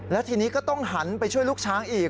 แล้วทีนี้ก็ต้องหันไปช่วยลูกช้างอีก